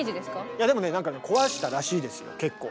いやでもねなんかね壊したらしいですよ結構。